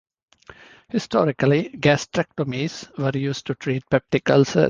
Historically, gastrectomies were used to treat peptic ulcers.